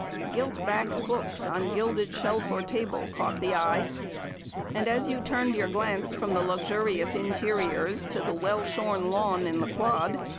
Gilt backed books on gilded shelf or table caught the eye, and as you turned your glance from the luxurious interiors to the well shorn lawn in the Quad.